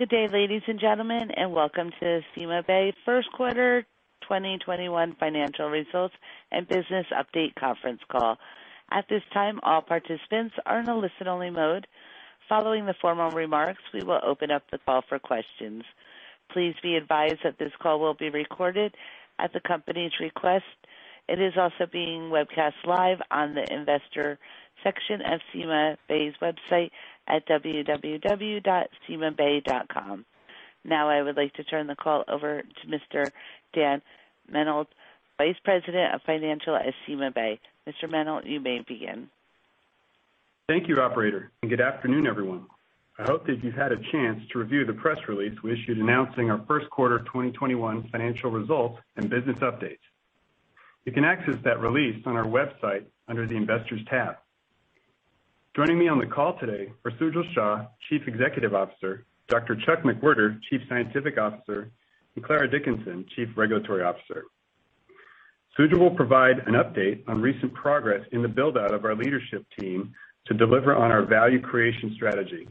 Good day, ladies and gentlemen, and welcome to CymaBay's First Quarter 2021 Financial Results and Business Update Conference Call. At this time, all participants are in a listen-only mode. Following the formal remarks, we will open up the call for questions. Please be advised that this call will be recorded at the company's request. It is also being webcast live on the investor section of CymaBay's website at www.cymabay.com. Now I would like to turn the call over to Mr. Dan Menold, Vice President, Finance at CymaBay. Mr. Menold, you may begin. Thank you, operator, and good afternoon, everyone. I hope that you've had a chance to review the press release we issued announcing our first quarter 2021 financial results and business updates. You can access that release on our website under the Investors tab. Joining me on the call today are Sujal Shah, Chief Executive Officer, Dr. Chuck McWherter, Chief Scientific Officer, and Klara Dickinson, Chief Regulatory Officer. Sujal will provide an update on recent progress in the build-out of our leadership team to deliver on our value creation strategy.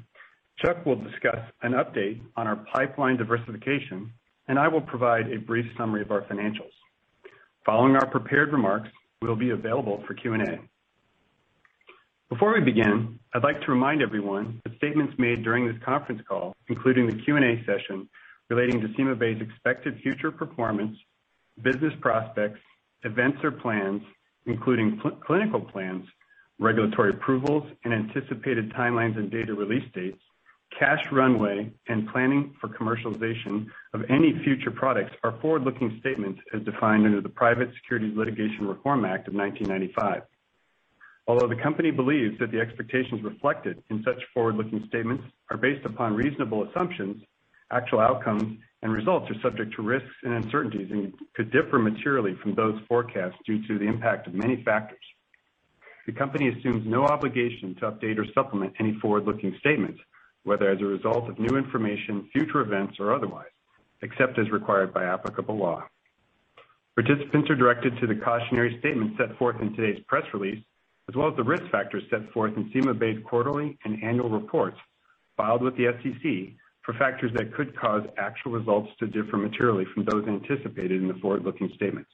Chuck will discuss an update on our pipeline diversification, and I will provide a brief summary of our financials. Following our prepared remarks, we'll be available for Q&A. Before we begin, I'd like to remind everyone that statements made during this conference call, including the Q&A session relating to CymaBay's expected future performance, business prospects, events or plans, including clinical plans, regulatory approvals, and anticipated timelines and data release dates, cash runway, and planning for commercialization of any future products are forward-looking statements as defined under the Private Securities Litigation Reform Act of 1995. Although the company believes that the expectations reflected in such forward-looking statements are based upon reasonable assumptions, actual outcomes and results are subject to risks and uncertainties and could differ materially from those forecasts due to the impact of many factors. The company assumes no obligation to update or supplement any forward-looking statements, whether as a result of new information, future events, or otherwise, except as required by applicable law. Participants are directed to the cautionary statement set forth in today's press release, as well as the risk factors set forth in CymaBay's quarterly and annual reports filed with the SEC for factors that could cause actual results to differ materially from those anticipated in the forward-looking statements.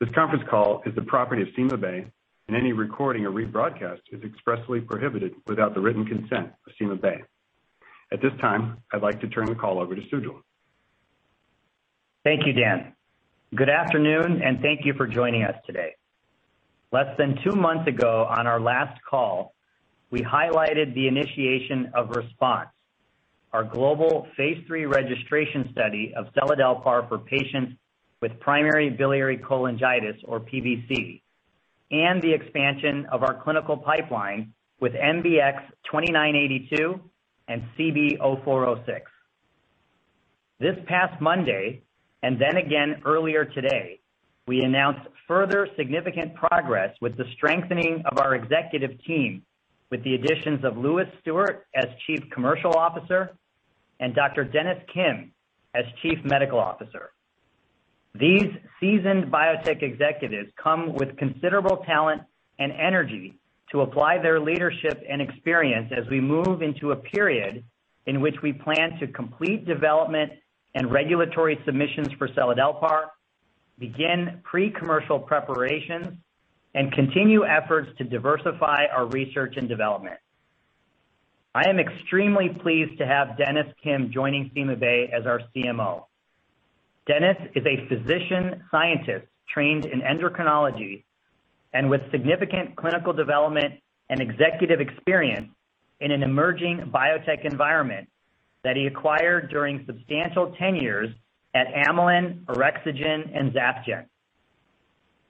This conference call is the property of CymaBay, and any recording or rebroadcast is expressly prohibited without the written consent of CymaBay. At this time, I'd like to turn the call over to Sujal. Thank you, Dan. Good afternoon, and thank you for joining us today. Less than two months ago, on our last call, we highlighted the initiation of RESPONSE, our global phase III registration study of seladelpar for patients with primary biliary cholangitis or PBC, and the expansion of our clinical pipeline with MBX-2982 and CB-0406. This past Monday, then again earlier today, we announced further significant progress with the strengthening of our executive team with the additions of Lewis Stuart as Chief Commercial Officer and Dr. Dennis Kim as Chief Medical Officer. These seasoned biotech executives come with considerable talent and energy to apply their leadership and experience as we move into a period in which we plan to complete development and regulatory submissions for seladelpar, begin pre-commercial preparations, and continue efforts to diversify our research and development. I am extremely pleased to have Dennis Kim joining CymaBay as our CMO. Dennis is a physician scientist trained in endocrinology and with significant clinical development and executive experience in an emerging biotech environment that he acquired during substantial tenures at Amylin, Orexigen, and Zafgen.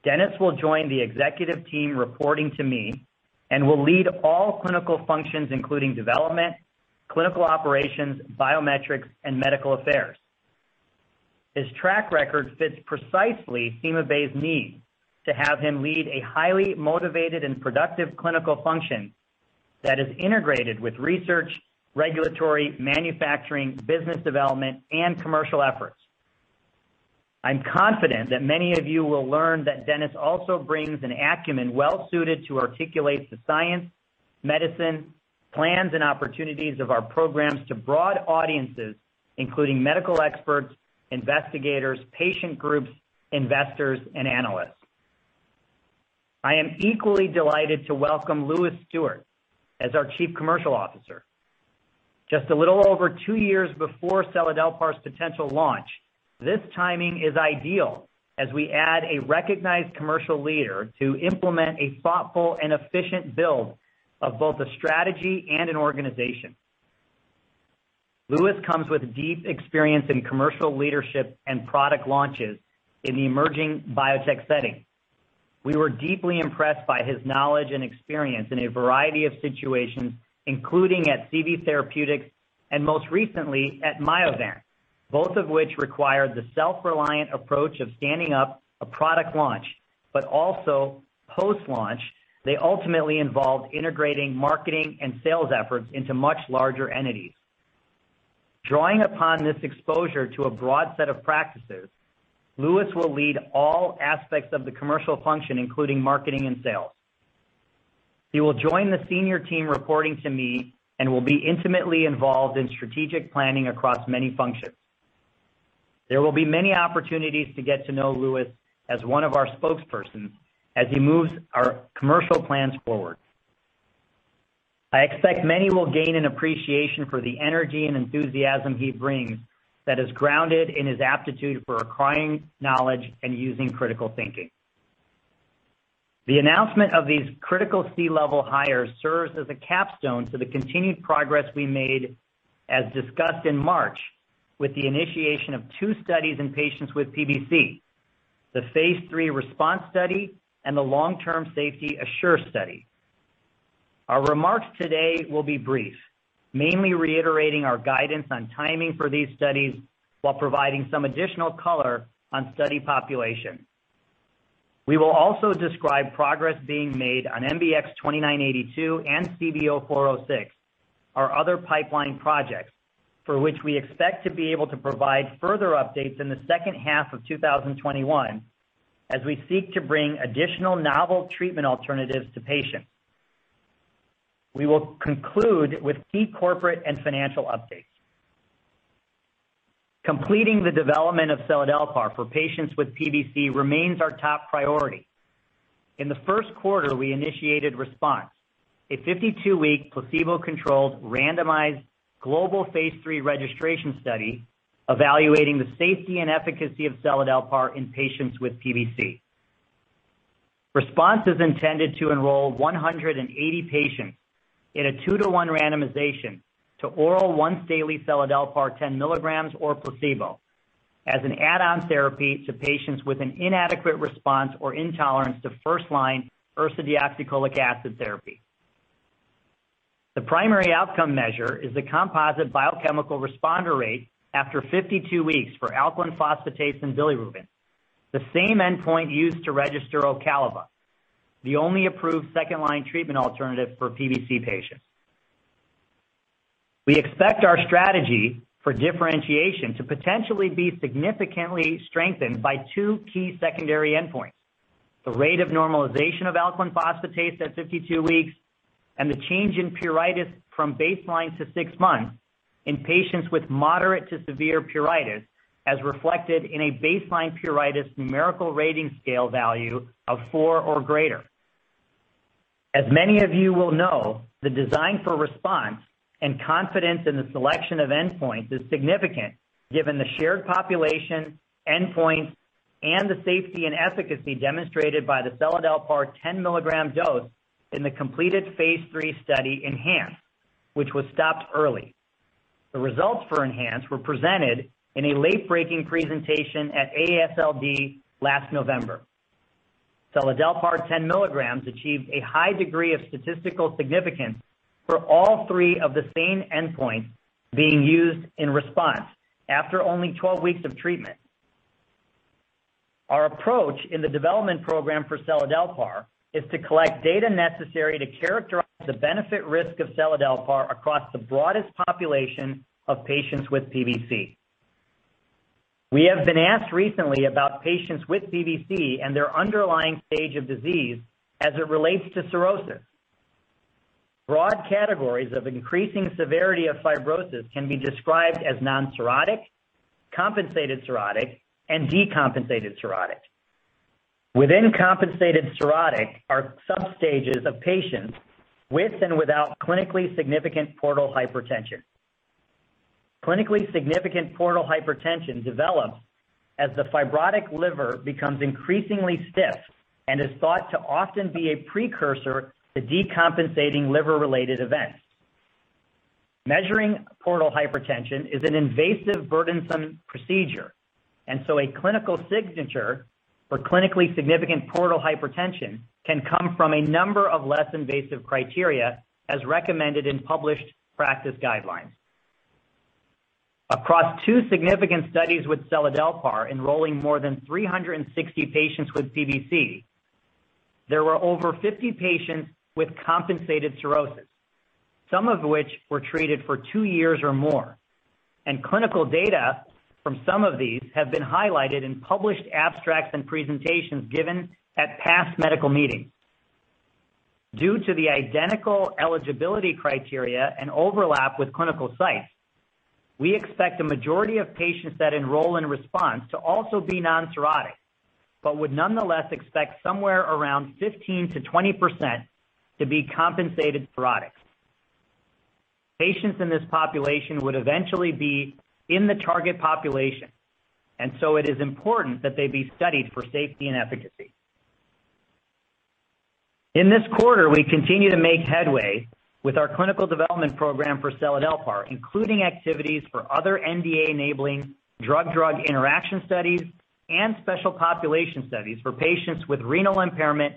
Dennis will join the executive team reporting to me and will lead all clinical functions, including development, clinical operations, biometrics, and medical affairs. His track record fits precisely CymaBay's need to have him lead a highly motivated and productive clinical function that is integrated with research, regulatory, manufacturing, business development, and commercial efforts. I'm confident that many of you will learn that Dennis also brings an acumen well-suited to articulate the science, medicine, plans, and opportunities of our programs to broad audiences, including medical experts, investigators, patient groups, investors, and analysts. I am equally delighted to welcome Lewis Stuart as our chief commercial officer. Just a little over two years before seladelpar's potential launch, this timing is ideal as we add a recognized commercial leader to implement a thoughtful and efficient build of both a strategy and an organization. Lewis comes with deep experience in commercial leadership and product launches in the emerging biotech setting. We were deeply impressed by his knowledge and experience in a variety of situations, including at CV Therapeutics and most recently at Myovant, both of which required the self-reliant approach of standing up a product launch, but also post-launch, they ultimately involved integrating marketing and sales efforts into much larger entities. Drawing upon this exposure to a broad set of practices, Lewis will lead all aspects of the commercial function, including marketing and sales. He will join the senior team reporting to me and will be intimately involved in strategic planning across many functions. There will be many opportunities to get to know Lewis as one of our spokespersons as he moves our commercial plans forward. I expect many will gain an appreciation for the energy and enthusiasm he brings that is grounded in his aptitude for acquiring knowledge and using critical thinking. The announcement of these critical C-level hires serves as a capstone to the continued progress we made as discussed in March with the initiation of two studies in patients with PBC, the phase III RESPONSE study and the long-term safety ASSURE study. Our remarks today will be brief, mainly reiterating our guidance on timing for these studies while providing some additional color on study population. We will also describe progress being made on MBX-2982 and CB-0406, our other pipeline projects, for which we expect to be able to provide further updates in the second half of 2021 as we seek to bring additional novel treatment alternatives to patients. We will conclude with key corporate and financial updates. Completing the development of seladelpar for patients with PBC remains our top priority. In the first quarter, we initiated RESPONSE, a 52-week placebo-controlled randomized global phase III registration study evaluating the safety and efficacy of seladelpar in patients with PBC. RESPONSE is intended to enroll 180 patients in a 2-to-1 randomization to oral once-daily seladelpar 10 milligrams or placebo as an add-on therapy to patients with an inadequate response or intolerance to first-line ursodeoxycholic acid therapy. The primary outcome measure is the composite biochemical responder rate after 52 weeks for alkaline phosphatase and bilirubin, the same endpoint used to register Ocaliva, the only approved second-line treatment alternative for PBC patients. We expect our strategy for differentiation to potentially be significantly strengthened by two key secondary endpoints, the rate of normalization of alkaline phosphatase at 52 weeks and the change in pruritus from baseline to six months in patients with moderate to severe pruritus as reflected in a baseline pruritus numerical rating scale value of four or greater. As many of you will know, the design for RESPONSE and confidence in the selection of endpoints is significant given the shared population, endpoints, and the safety and efficacy demonstrated by the seladelpar 10 milligram dose in the completed Phase III study, ENHANCE, which was stopped early. The results for ENHANCE were presented in a late-breaking presentation at AASLD last November. seladelpar 10 milligrams achieved a high degree of statistical significance for all three of the same endpoints being used in RESPONSE after only 12 weeks of treatment. Our approach in the development program for seladelpar is to collect data necessary to characterize the benefit-risk of seladelpar across the broadest population of patients with PBC. We have been asked recently about patients with PBC and their underlying stage of disease as it relates to cirrhosis. Broad categories of increasing severity of fibrosis can be described as non-cirrhotic, compensated cirrhotic, and decompensated cirrhotic. Within compensated cirrhotic are substages of patients with and without clinically significant portal hypertension. Clinically significant portal hypertension develops as the fibrotic liver becomes increasingly stiff and is thought to often be a precursor to decompensating liver-related events. Measuring portal hypertension is an invasive, burdensome procedure, a clinical signature for clinically significant portal hypertension can come from a number of less invasive criteria as recommended in published practice guidelines. Across two significant studies with seladelpar enrolling more than 360 patients with PBC, there were over 50 patients with compensated cirrhosis, some of which were treated for two years or more, clinical data from some of these have been highlighted in published abstracts and presentations given at past medical meetings. Due to the identical eligibility criteria and overlap with clinical sites, we expect a majority of patients that enroll in RESPONSE to also be non-cirrhotic, would nonetheless expect somewhere around 15%-20% to be compensated cirrhotic. Patients in this population would eventually be in the target population, it is important that they be studied for safety and efficacy. In this quarter, we continue to make headway with our clinical development program for seladelpar, including activities for other NDA-enabling drug-drug interaction studies and special population studies for patients with renal impairment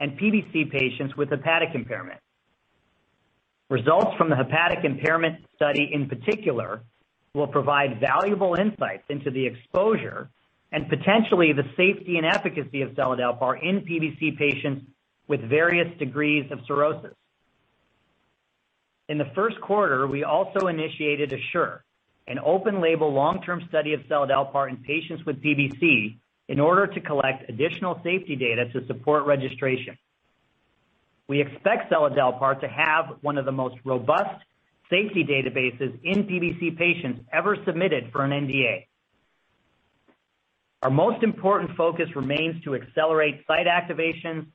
and PBC patients with hepatic impairment. Results from the hepatic impairment study, in particular, will provide valuable insights into the exposure and potentially the safety and efficacy of seladelpar in PBC patients with various degrees of cirrhosis. In the first quarter, we also initiated ASSURE, an open-label long-term study of seladelpar in patients with PBC in order to collect additional safety data to support registration. We expect seladelpar to have one of the most robust safety databases in PBC patients ever submitted for an NDA. Our most important focus remains to accelerate site activations,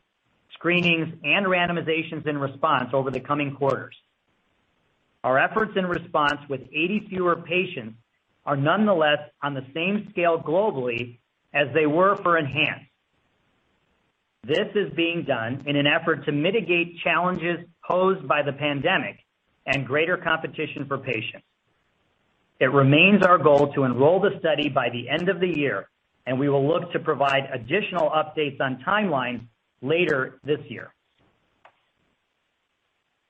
screenings, and randomizations in RESPONSE over the coming quarters. Our efforts in RESPONSE with 80 fewer patients are nonetheless on the same scale globally as they were for ENHANCE. This is being done in an effort to mitigate challenges posed by the pandemic and greater competition for patients. It remains our goal to enroll the study by the end of the year, and we will look to provide additional updates on timelines later this year.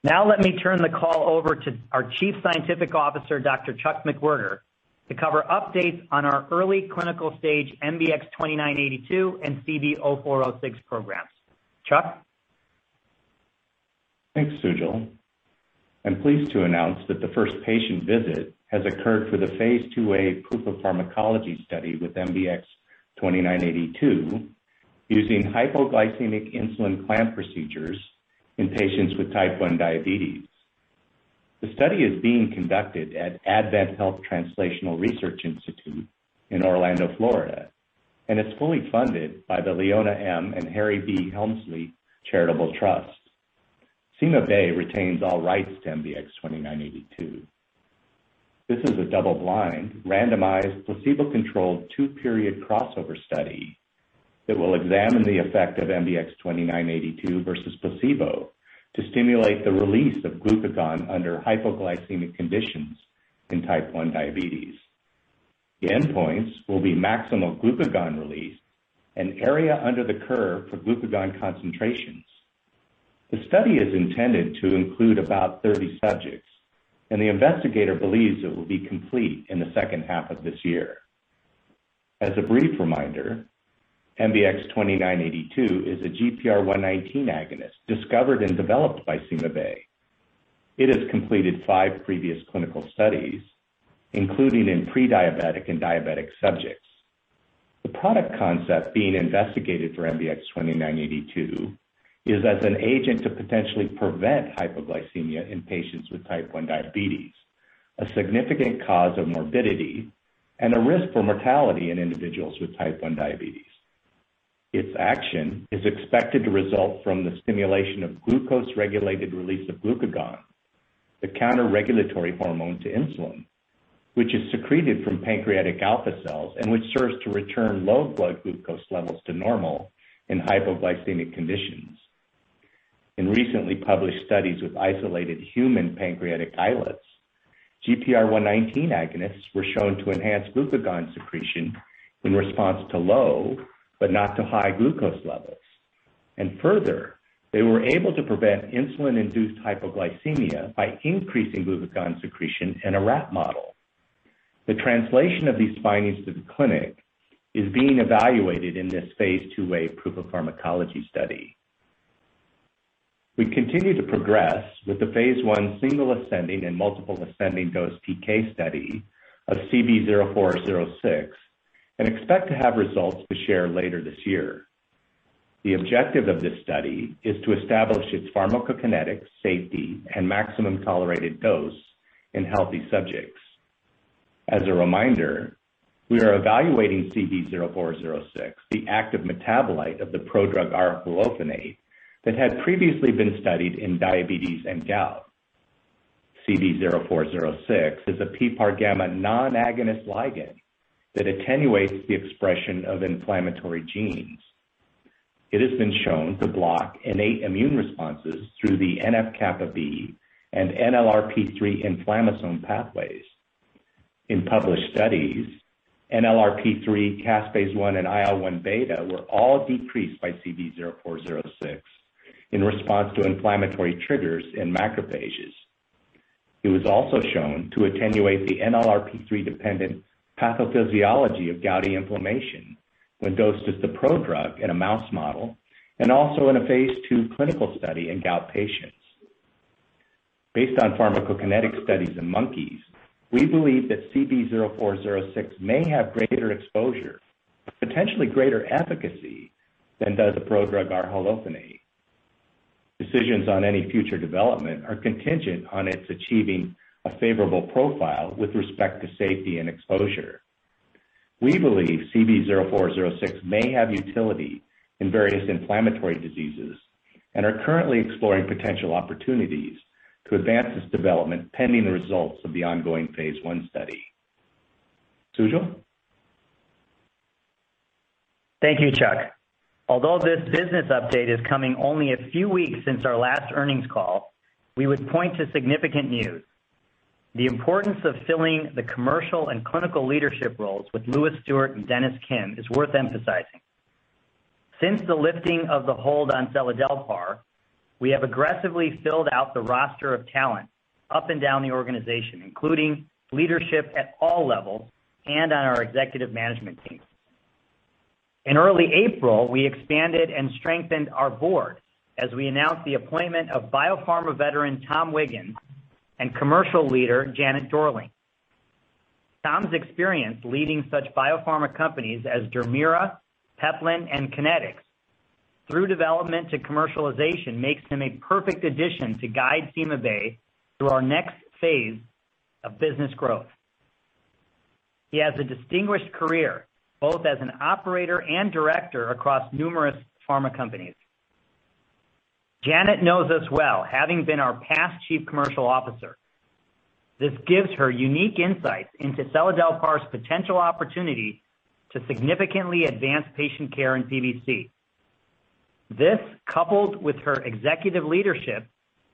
Let me turn the call over to our Chief Scientific Officer, Dr. Chuck McWherter, to cover updates on our early clinical stage MBX-2982 and CB-0406 programs. Chuck? Thanks, Sujal. I'm pleased to announce that the first patient visit has occurred for the phase II-A proof of pharmacology study with MBX-2982 using hypoglycemic insulin clamp procedures in patients with type 1 diabetes. The study is being conducted at AdventHealth Translational Research Institute in Orlando, Florida, and is fully funded by the Leona M. and Harry B. Helmsley Charitable Trust. CymaBay retains all rights to MBX-2982. This is a double-blind, randomized, placebo-controlled, two-period crossover study that will examine the effect of MBX-2982 versus placebo to stimulate the release of glucagon under hypoglycemic conditions in type 1 diabetes. The endpoints will be maximal glucagon release and area under the curve for glucagon concentrations. The study is intended to include about 30 subjects, and the investigator believes it will be complete in the second half of this year. As a brief reminder, MBX-2982 is a GPR119 agonist discovered and developed by CymaBay. It has completed five previous clinical studies, including in pre-diabetic and diabetic subjects. The product concept being investigated for MBX-2982 is as an agent to potentially prevent hypoglycemia in patients with type 1 diabetes, a significant cause of morbidity and a risk for mortality in individuals with type 1 diabetes. Its action is expected to result from the stimulation of glucose-regulated release of glucagon, the counter-regulatory hormone to insulin, which is secreted from pancreatic alpha cells and which serves to return low blood glucose levels to normal in hypoglycemic conditions. In recently published studies with isolated human pancreatic islets, GPR119 agonists were shown to enhance glucagon secretion in response to low, but not to high, glucose levels. Further, they were able to prevent insulin-induced hypoglycemia by increasing glucagon secretion in a rat model. The translation of these findings to the clinic is being evaluated in this phase II-A proof of pharmacology study. We continue to progress with the phase I single ascending and multiple ascending dose PK study of CB-0406 and expect to have results to share later this year. The objective of this study is to establish its pharmacokinetics, safety, and maximum tolerated dose in healthy subjects. As a reminder, we are evaluating CB-0406, the active metabolite of the prodrug arhalofenate, that had previously been studied in diabetes and gout. CB-0406 is a PPAR-gamma non-agonist ligand that attenuates the expression of inflammatory genes. It has been shown to block innate immune responses through the NF-kappa B and NLRP3 inflammasome pathways. In published studies, NLRP3, caspase-1, and IL-1 beta were all decreased by CB-0406 in response to inflammatory triggers in macrophages. It was also shown to attenuate the NLRP3-dependent pathophysiology of gouty inflammation when dosed as the prodrug in a mouse model, and also in a phase II clinical study in gout patients. Based on pharmacokinetic studies in monkeys, we believe that CB-0406 may have greater exposure, potentially greater efficacy, than does the prodrug arhalofenate. Decisions on any future development are contingent on its achieving a favorable profile with respect to safety and exposure. We believe CB-0406 may have utility in various inflammatory diseases and are currently exploring potential opportunities to advance this development pending the results of the ongoing phase I study. Sujal? Thank you, Chuck. Although this business update is coming only a few weeks since our last earnings call, we would point to significant news. The importance of filling the commercial and clinical leadership roles with Lewis Stuart and Dennis Kim is worth emphasizing. Since the lifting of the hold on seladelpar, we have aggressively filled out the roster of talent up and down the organization, including leadership at all levels and on our executive management team. In early April, we expanded and strengthened our board as we announced the appointment of biopharma veteran Tom Wiggans and commercial leader Janet Dorling. Tom's experience leading such biopharma companies as Dermira, Peplin, and Connetics through development to commercialization makes him a perfect addition to guide CymaBay through our next phase of business growth. He has a distinguished career both as an operator and director across numerous pharma companies. Janet knows us well, having been our past chief commercial officer. This gives her unique insights into seladelpar's potential opportunity to significantly advance patient care in PBC. This, coupled with her executive leadership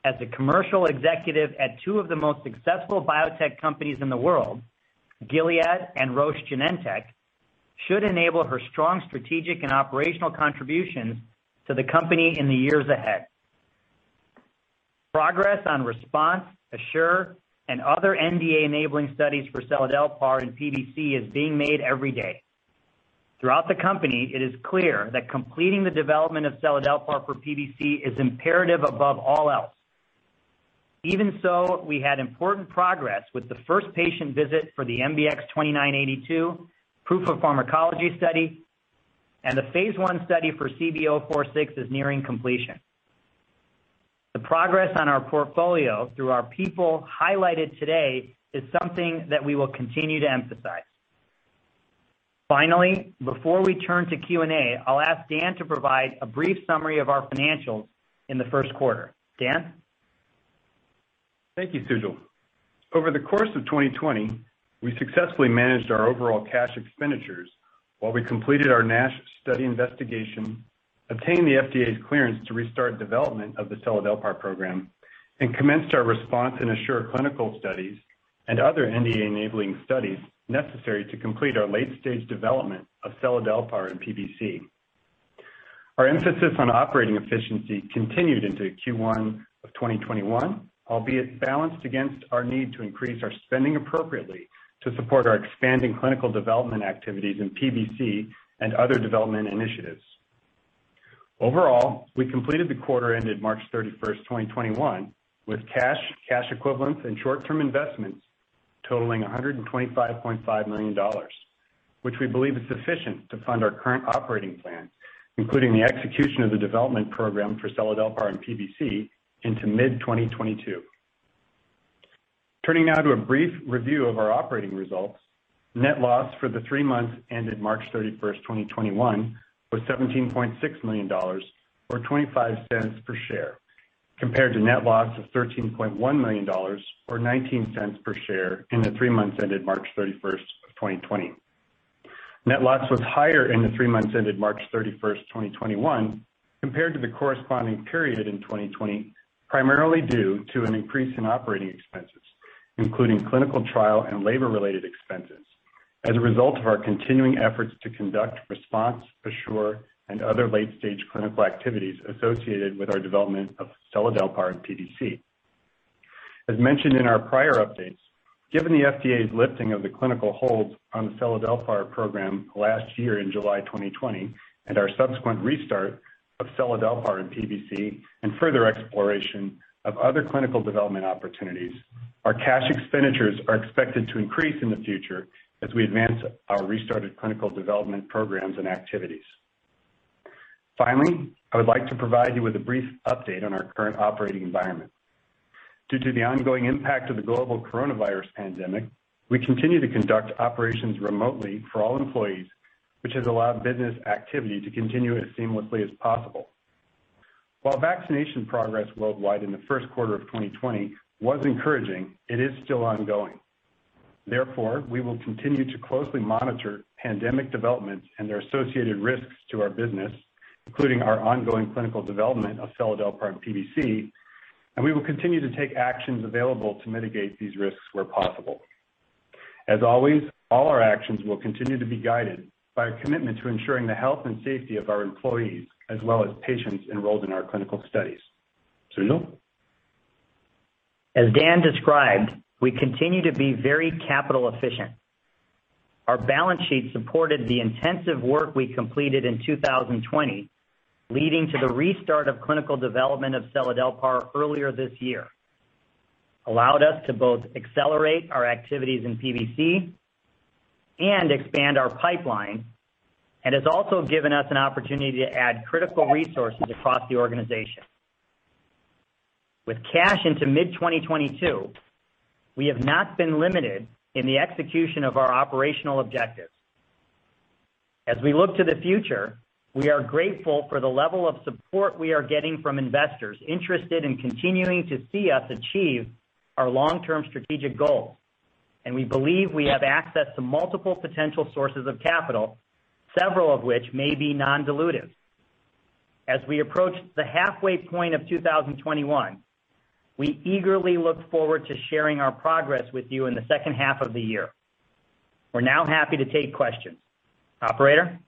as a commercial executive at two of the most successful biotech companies in the world, Gilead and Roche Genentech, should enable her strong strategic and operational contributions to the company in the years ahead. Progress on RESPONSE, ASSURE, and other NDA-enabling studies for seladelpar in PBC is being made every day. Throughout the company, it is clear that completing the development of seladelpar for PBC is imperative above all else. Even so, we had important progress with the first patient visit for the MBX-2982 proof of pharmacology study, and the phase I study for CB-0406 is nearing completion. The progress on our portfolio through our people highlighted today is something that we will continue to emphasize. Finally, before we turn to Q&A, I'll ask Dan to provide a brief summary of our financials in the first quarter. Dan? Thank you, Sujal. Over the course of 2020, we successfully managed our overall cash expenditures while we completed our NASH study investigation, obtained the FDA's clearance to restart development of the seladelpar program, and commenced our RESPONSE and ASSURE clinical studies and other NDA-enabling studies necessary to complete our late-stage development of seladelpar in PBC. Our emphasis on operating efficiency continued into Q1 of 2021, albeit balanced against our need to increase our spending appropriately to support our expanding clinical development activities in PBC and other development initiatives. Overall, we completed the quarter ended March 31st, 2021, with cash equivalents, and short-term investments totaling $125.5 million, which we believe is sufficient to fund our current operating plan, including the execution of the development program for seladelpar and PBC into mid-2022. Turning now to a brief review of our operating results. Net loss for the three months ended March 31, 2021, was $17.6 million, or $0.25 per share, compared to net loss of $13.1 million, or $0.19 per share in the three months ended March 31, 2020. Net loss was higher in the three months ended March 31st, 2021, compared to the corresponding period in 2020, primarily due to an increase in operating expenses, including clinical trial and labor-related expenses as a result of our continuing efforts to conduct RESPONSE, ASSURE, and other late-stage clinical activities associated with our development of seladelpar in PBC. As mentioned in our prior updates, given the FDA's lifting of the clinical hold on the seladelpar program last year in July 2020 and our subsequent restart of seladelpar in PBC and further exploration of other clinical development opportunities, our cash expenditures are expected to increase in the future as we advance our restarted clinical development programs and activities. Finally, I would like to provide you with a brief update on our current operating environment. Due to the ongoing impact of the global coronavirus pandemic, we continue to conduct operations remotely for all employees, which has allowed business activity to continue as seamlessly as possible. Vaccination progress worldwide in the first quarter of 2020 was encouraging, it is still ongoing. We will continue to closely monitor pandemic developments and their associated risks to our business, including our ongoing clinical development of seladelpar in PBC, and we will continue to take actions available to mitigate these risks where possible. As always, all our actions will continue to be guided by our commitment to ensuring the health and safety of our employees as well as patients enrolled in our clinical studies. Sujal? As Dan described, we continue to be very capital efficient. Our balance sheet supported the intensive work we completed in 2020, leading to the restart of clinical development of seladelpar earlier this year, allowed us to both accelerate our activities in PBC and expand our pipeline, and has also given us an opportunity to add critical resources across the organization. With cash into mid-2022, we have not been limited in the execution of our operational objectives. As we look to the future, we are grateful for the level of support we are getting from investors interested in continuing to see us achieve our long-term strategic goals, and we believe we have access to multiple potential sources of capital, several of which may be non-dilutive. As we approach the halfway point of 2021, we eagerly look forward to sharing our progress with you in the second half of the year. We're now happy to take questions. Operator?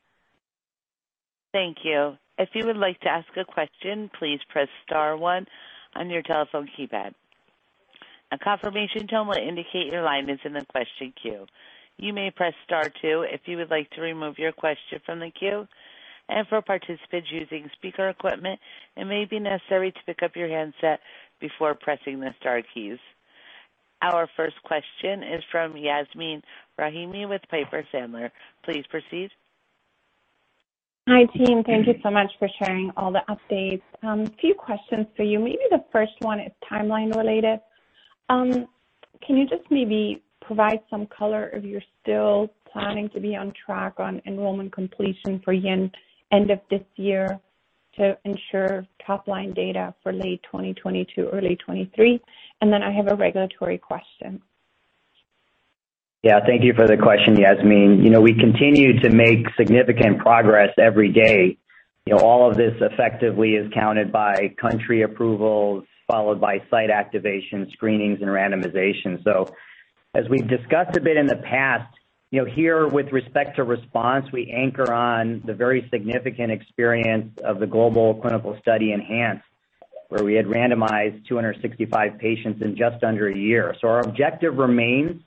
Thank you. If you would like to ask a question, please press star one on your telephone keypad. A confirmation tone will indicate your line is in the question queue. You may press star two if you would like to remove your question from the queue. For participants using speaker equipment, it may be necessary to pick up your handset before pressing the star keys. Our first question is from Yasmeen Rahimi with Piper Sandler. Please proceed. Hi, team. Thank you so much for sharing all the updates. A few questions for you. Maybe the first one is timeline related. Can you just maybe provide some color if you're still planning to be on track on enrollment completion for the end of this year to ensure top-line data for late 2022, early 2023? I have a regulatory question. Yeah. Thank you for the question, Yasmeen. We continue to make significant progress every day. All of this effectively is counted by country approvals followed by site activation, screenings, and randomization. As we've discussed a bit in the past, here with respect to RESPONSE, we anchor on the very significant experience of the global clinical study, ENHANCE, where we had randomized 265 patients in just under a year. Our objective remains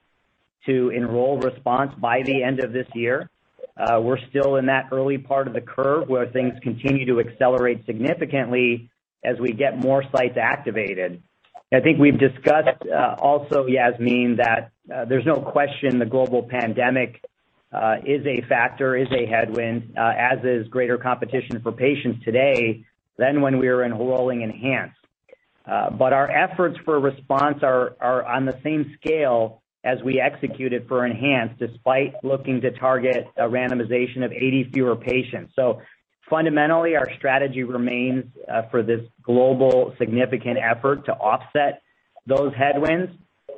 to enroll RESPONSE by the end of this year. We're still in that early part of the curve where things continue to accelerate significantly as we get more sites activated. I think we've discussed, also, Yasmeen, that there's no question the global pandemic is a factor, is a headwind, as is greater competition for patients today than when we were enrolling ENHANCE. Our efforts for RESPONSE are on the same scale as we executed for ENHANCE, despite looking to target a randomization of 80 fewer patients. Fundamentally, our strategy remains for this global significant effort to offset those headwinds,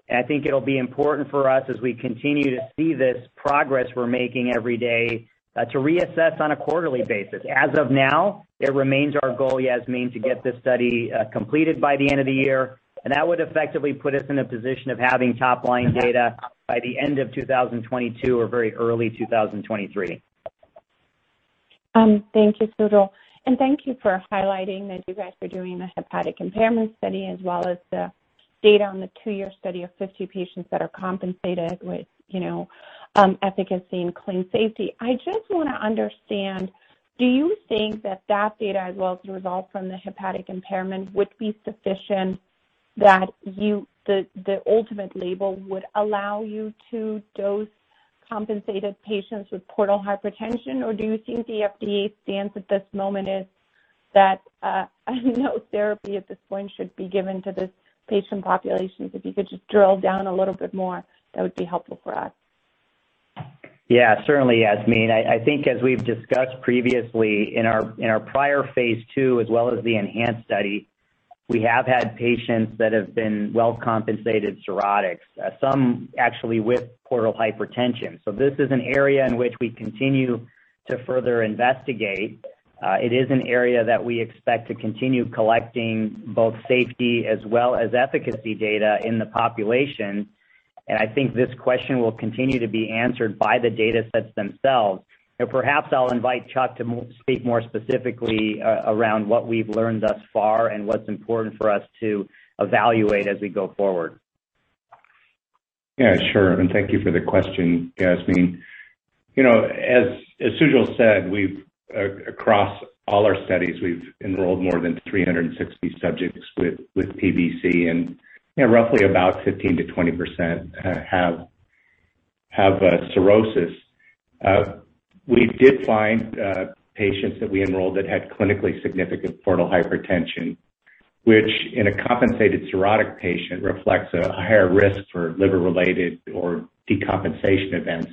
and I think it'll be important for us as we continue to see this progress we're making every day to reassess on a quarterly basis. As of now, it remains our goal, Yasmeen, to get this study completed by the end of the year, and that would effectively put us in a position of having top-line data by the end of 2022 or very early 2023. Thank you, Sujal, and thank you for highlighting that you guys are doing the hepatic impairment study as well as the data on the two-year study of 50 patients that are compensated with efficacy and clean safety. I just want to understand, do you think that that data, as well as the result from the hepatic impairment, would be sufficient that the ultimate label would allow you to dose compensated patients with portal hypertension? Do you think the FDA stance at this moment is that no therapy at this point should be given to this patient population? If you could just drill down a little bit more, that would be helpful for us. Certainly, Yasmeen. I think as we've discussed previously in our prior phase II as well as the ENHANCE study, we have had patients that have been well-compensated cirrhotics, some actually with portal hypertension. This is an area in which we continue to further investigate. It is an area that we expect to continue collecting both safety as well as efficacy data in the population, and I think this question will continue to be answered by the datasets themselves. Perhaps I'll invite Chuck to speak more specifically around what we've learned thus far and what's important for us to evaluate as we go forward. Yeah, sure. Thank you for the question, Yasmeen. As Sujal said, across all our studies, we've enrolled more than 360 subjects with PBC, and roughly about 15%-20% have cirrhosis. We did find patients that we enrolled that had clinically significant portal hypertension, which in a compensated cirrhotic patient reflects a higher risk for liver-related or decompensation events.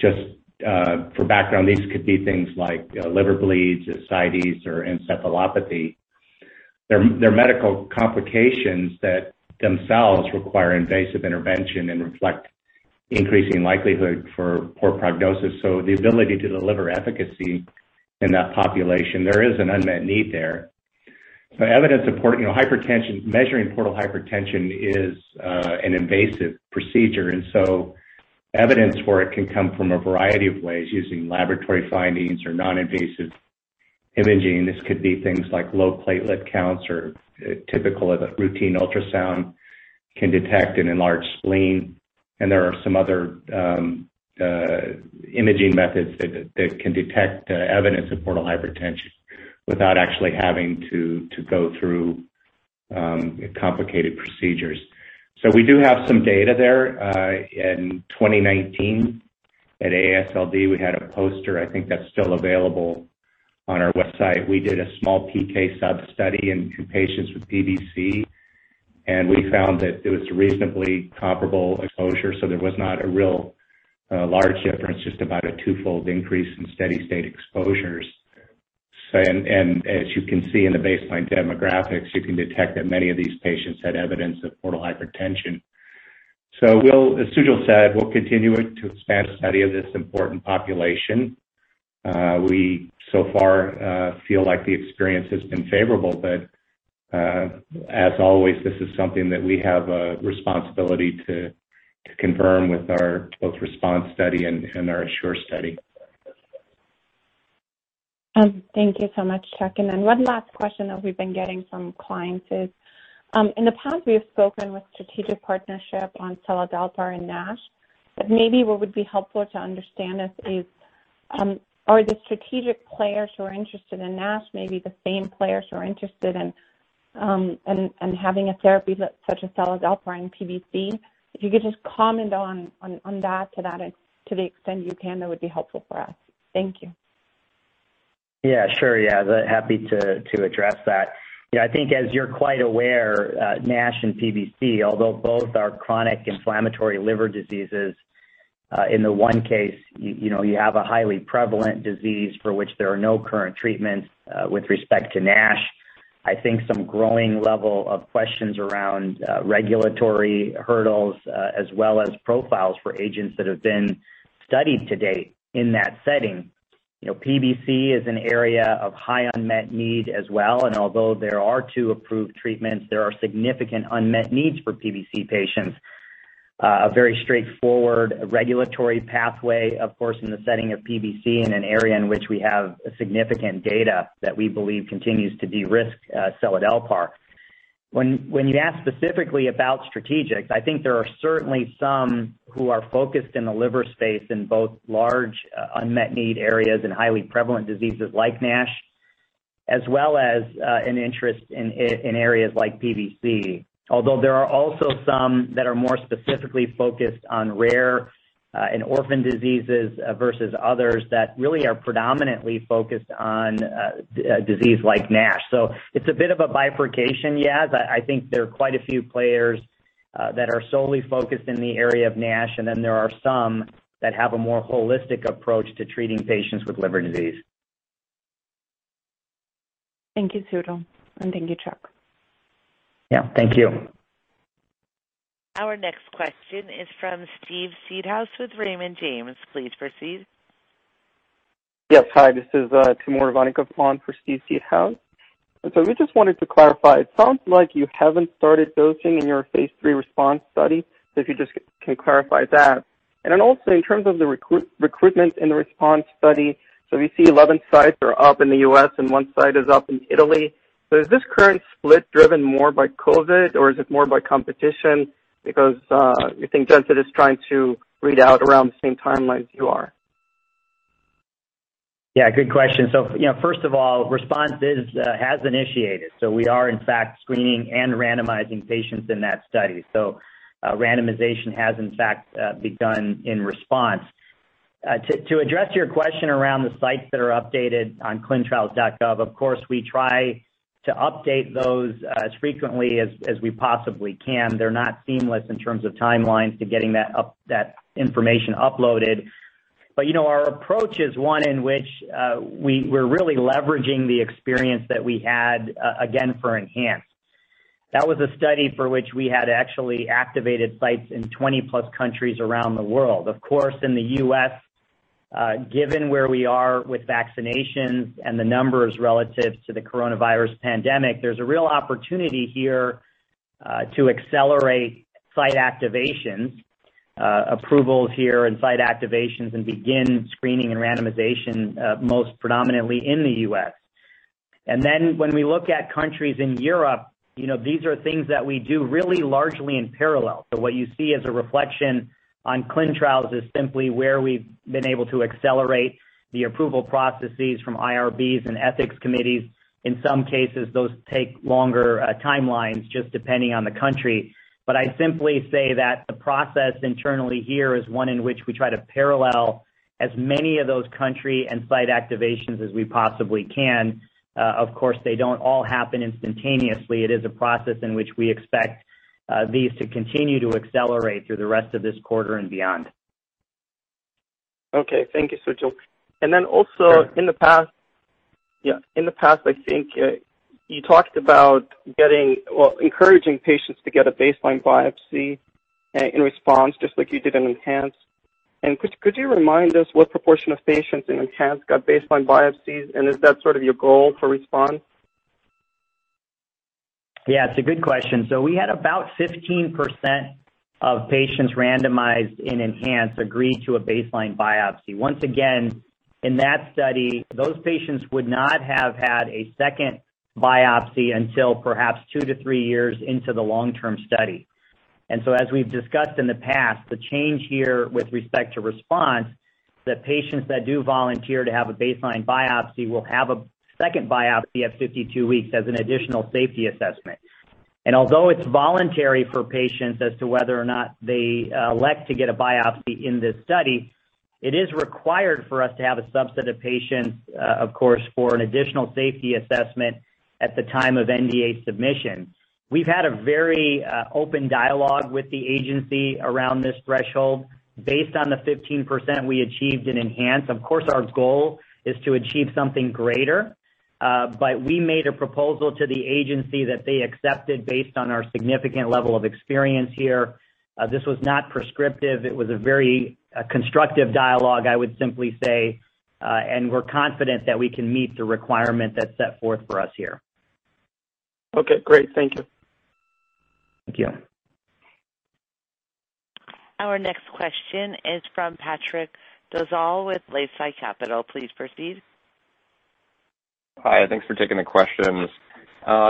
Just for background, these could be things like liver bleeds, ascites, or encephalopathy. They're medical complications that themselves require invasive intervention and reflect increasing likelihood for poor prognosis. The ability to deliver efficacy in that population, there is an unmet need there. Measuring portal hypertension is an invasive procedure, evidence for it can come from a variety of ways, using laboratory findings or non-invasive imaging. This could be things like low platelet counts, or typical of a routine ultrasound can detect an enlarged spleen, and there are some other imaging methods that can detect evidence of portal hypertension without actually having to go through complicated procedures. In 2019 at AASLD, we had a poster, I think that's still available on our website. We did a small PK sub-study in two patients with PBC, and we found that it was a reasonably comparable exposure, so there was not a real large difference, just about a twofold increase in steady-state exposures. As you can see in the baseline demographics, you can detect that many of these patients had evidence of portal hypertension. As Sujal said, we'll continue to expand study of this important population. We so far feel like the experience has been favorable, as always, this is something that we have a responsibility to confirm with our both RESPONSE study and our ASSURE study. Thank you so much, Chuck. One last question that we've been getting from clients is, in the past, we have spoken with strategic partnership on seladelpar and NASH. Maybe what would be helpful to understand is, are the strategic players who are interested in NASH maybe the same players who are interested in having a therapy such as seladelpar in PBC? If you could just comment on that to the extent you can, that would be helpful for us. Thank you. Yeah. Sure, Yaz. Happy to address that. I think as you're quite aware, NASH and PBC, although both are chronic inflammatory liver diseases, in the one case, you have a highly prevalent disease for which there are no current treatments. With respect to NASH, I think some growing level of questions around regulatory hurdles, as well as profiles for agents that have been studied to date in that setting. PBC is an area of high unmet need as well, although there are two approved treatments, there are significant unmet needs for PBC patients. A very straightforward regulatory pathway, of course, in the setting of PBC in an area in which we have significant data that we believe continues to de-risk seladelpar. When you ask specifically about strategic, I think there are certainly some who are focused in the liver space in both large unmet need areas and highly prevalent diseases like NASH, as well as an interest in areas like PBC. Although there are also some that are more specifically focused on rare and orphan diseases versus others that really are predominantly focused on a disease like NASH. It's a bit of a bifurcation, Yaz. I think there are quite a few players that are solely focused in the area of NASH, and then there are some that have a more holistic approach to treating patients with liver disease. Thank you, Sujal, and thank you, Chuck. Yeah. Thank you. Our next question is from Steve Seedhouse with Raymond James. Please proceed. Yes. Hi. This is Timur Ivannikov on for Steven Seedhouse. We just wanted to clarify, it sounds like you haven't started dosing in your phase III RESPONSE study. If you just can clarify that. Also in terms of the recruitment in the RESPONSE study, we see 11 sites are up in the U.S. and one site is up in Italy. Is this current split driven more by COVID or is it more by competition? Because we think Genfit is trying to read out around the same timeline as you are. Yeah. Good question. First of all, RESPONSE has initiated. We are in fact screening and randomizing patients in that study. Randomization has in fact begun in RESPONSE. To address your question around the sites that are updated on clinicaltrials.gov, of course, we try to update those as frequently as we possibly can. They're not seamless in terms of timelines to getting that information uploaded. Our approach is one in which we're really leveraging the experience that we had, again, for ENHANCE. That was a study for which we had actually activated sites in 20 plus countries around the world. Of course, in the U.S., given where we are with vaccinations and the numbers relative to the coronavirus pandemic, there's a real opportunity here to accelerate site activations, approvals here and site activations and begin screening and randomization, most predominantly in the U.S. When we look at countries in Europe, these are things that we do really largely in parallel. What you see as a reflection on clin trials is simply where we've been able to accelerate the approval processes from IRBs and ethics committees. In some cases, those take longer timelines just depending on the country. I simply say that the process internally here is one in which we try to parallel as many of those country and site activations as we possibly can. Of course, they don't all happen instantaneously. It is a process in which we expect these to continue to accelerate through the rest of this quarter and beyond. Okay. Thank you, Sujal. Also in the past, I think you talked about encouraging patients to get a baseline biopsy in RESPONSE just like you did in ENHANCE. Could you remind us what proportion of patients in ENHANCE got baseline biopsies, and is that sort of your goal for RESPONSE? Yeah, it's a good question. We had about 15% of patients randomized in ENHANCE agree to a baseline biopsy. Once again, in that study, those patients would not have had a second biopsy until perhaps two to three years into the long-term study. As we've discussed in the past, the change here with respect to RESPONSE, the patients that do volunteer to have a baseline biopsy will have a second biopsy at 52 weeks as an additional safety assessment. Although it's voluntary for patients as to whether or not they elect to get a biopsy in this study, it is required for us to have a subset of patients, of course, for an additional safety assessment at the time of NDA submission. We've had a very open dialogue with the agency around this threshold based on the 15% we achieved in ENHANCE. Of course, our goal is to achieve something greater. We made a proposal to the agency that they accepted based on our significant level of experience here. This was not prescriptive. It was a very constructive dialogue, I would simply say, and we're confident that we can meet the requirement that's set forth for us here. Okay, great. Thank you. Thank you. Our next question is from Patrick Dolezal with LifeSci Capital. Please proceed. Hi. Thanks for taking the questions.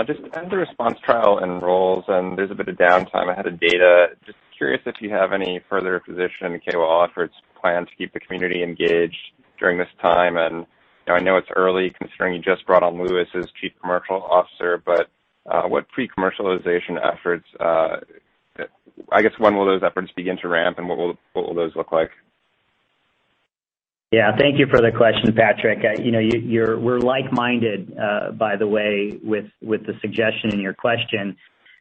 Just as the RESPONSE trial enrolls and there's a bit of downtime ahead of data, just curious if you have any further physician KOLs plan to keep the community engaged during this time. I know it's early considering you just brought on Lewis as Chief Commercial Officer, but what pre-commercialization efforts I guess, when will those efforts begin to ramp, and what will those look like? Thank you for the question, Patrick. We're like-minded, by the way, with the suggestion in your question.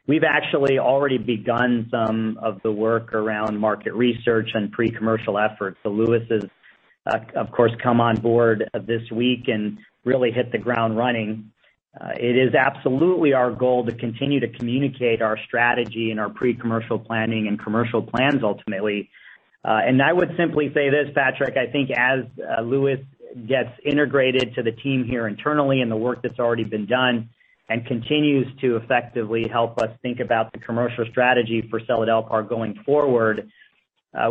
We've actually already begun some of the work around market research and pre-commercial efforts. Lewis has, of course, come on board this week and really hit the ground running. It is absolutely our goal to continue to communicate our strategy and our pre-commercial planning and commercial plans, ultimately. I would simply say this, Patrick, I think as Lewis gets integrated to the team here internally and the work that's already been done and continues to effectively help us think about the commercial strategy for seladelpar going forward,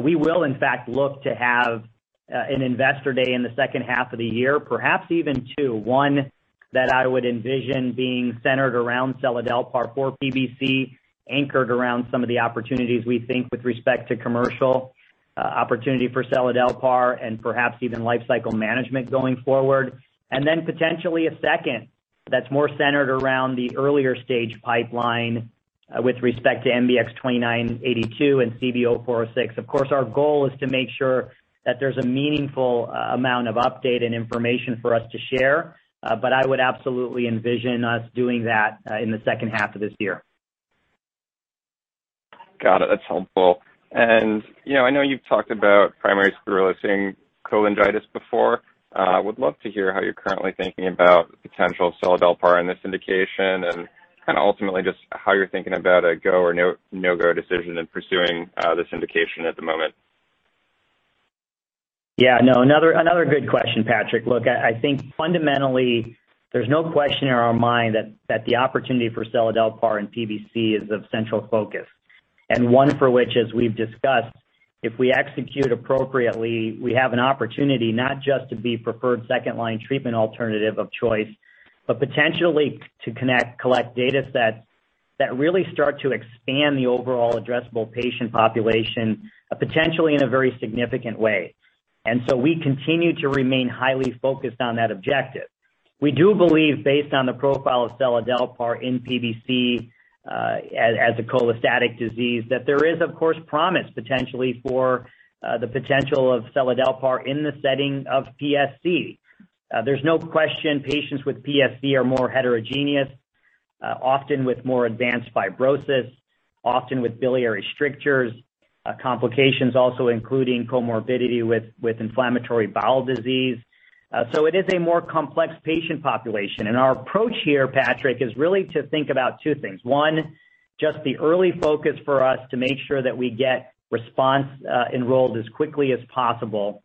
we will in fact look to have an investor day in the second half of the year, perhaps even two. One that I would envision being centered around seladelpar for PBC, anchored around some of the opportunities we think with respect to commercial opportunity for seladelpar and perhaps even life cycle management going forward. Potentially a second that's more centered around the earlier stage pipeline with respect to MBX-2982 and CB-0406. Of course, our goal is to make sure that there's a meaningful amount of update and information for us to share. I would absolutely envision us doing that in the second half of this year. Got it. That's helpful. I know you've talked about primary sclerosing cholangitis before. Would love to hear how you're currently thinking about the potential of seladelpar in this indication and kind of ultimately just how you're thinking about a go or no-go decision in pursuing this indication at the moment. Another good question, Patrick. I think fundamentally there's no question in our mind that the opportunity for seladelpar and PBC is of central focus, and one for which, as we've discussed, if we execute appropriately, we have an opportunity not just to be preferred second-line treatment alternative of choice, but potentially to collect data sets that really start to expand the overall addressable patient population, potentially in a very significant way. We continue to remain highly focused on that objective. We do believe, based on the profile of seladelpar in PBC as a cholestatic disease, that there is, of course, promise potentially for the potential of seladelpar in the setting of PSC. There's no question patients with PSC are more heterogeneous, often with more advanced fibrosis, often with biliary strictures, complications also including comorbidity with inflammatory bowel disease. It is a more complex patient population, and our approach here, Patrick, is really to think about two things. One, just the early focus for us to make sure that we get RESPONSE enrolled as quickly as possible,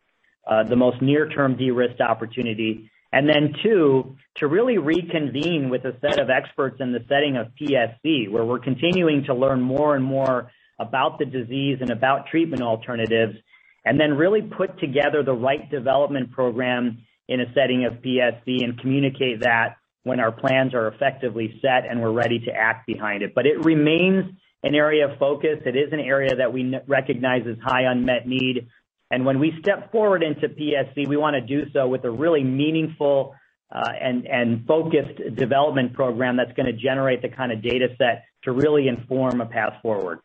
the most near term de-risked opportunity. Then two, to really reconvene with a set of experts in the setting of PSC, where we're continuing to learn more and more about the disease and about treatment alternatives, then really put together the right development program in a setting of PSC and communicate that when our plans are effectively set and we're ready to act behind it. It remains an area of focus. It is an area that we recognize as high unmet need. When we step forward into PSC, we want to do so with a really meaningful and focused development program that's going to generate the kind of data set to really inform a path forward.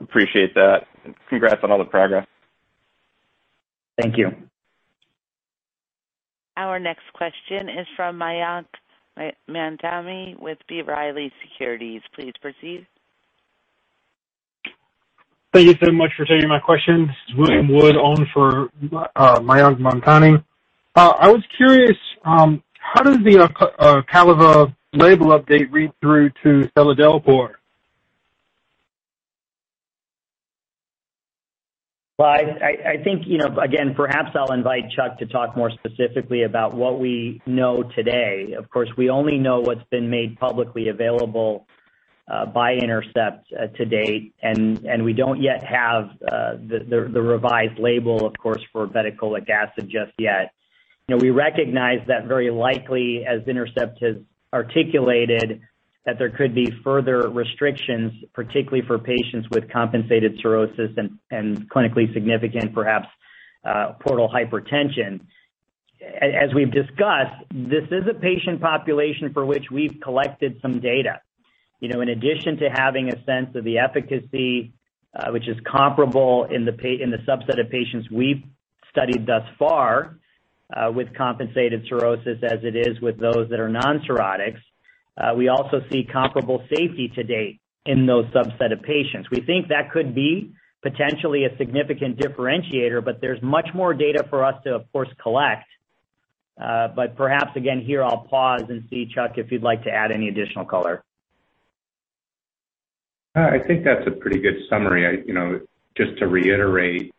Appreciate that. Congrats on all the progress. Thank you. Our next question is from Mayank Mamtani with B. Riley Securities. Please proceed. Thank you so much for taking my questions. This is William Wood on for Mayank Mamtani. I was curious, how does the Ocaliva label update read through to seladelpar? I think, again, perhaps I'll invite Chuck to talk more specifically about what we know today. Of course, we only know what's been made publicly available by Intercept to date, and we don't yet have the revised label, of course, for obeticholic acid just yet. We recognize that very likely, as Intercept has articulated, that there could be further restrictions, particularly for patients with compensated cirrhosis and clinically significant, perhaps, portal hypertension. As we've discussed, this is a patient population for which we've collected some data. In addition to having a sense of the efficacy, which is comparable in the subset of patients we've studied thus far with compensated cirrhosis as it is with those that are non-cirrhotics, we also see comparable safety to date in those subset of patients. We think that could be potentially a significant differentiator, but there's much more data for us to, of course, collect. Perhaps again here I'll pause and see, Chuck, if you'd like to add any additional color. I think that's a pretty good summary. Just to reiterate,